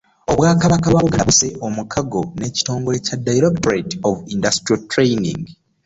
Obwakabaka bwa Buganda busse omukago n'ekitongole kya Directorate of Industrial Training